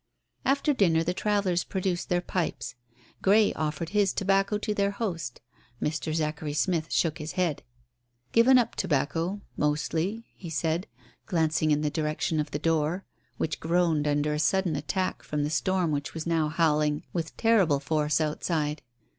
After dinner the travellers produced their pipes. Grey offered his tobacco to their host. Mr. Zachary Smith shook his head. "Given up tobacco mostly," he said, glancing in the direction of the door, which groaned under a sudden attack from the storm which was now howling with terrible force outside.